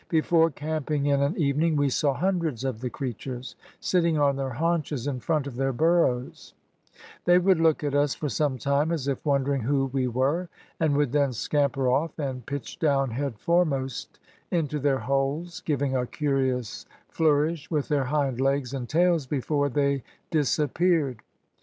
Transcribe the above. Before camping in an evening we saw hundreds of the creatures, sitting on their haunches in front of their burrows; they would look at us for some time, as if wondering who we were, and would then scamper off and pitch down head foremost into their holes, giving a curious flourish with their hind legs and tails before they disappeared.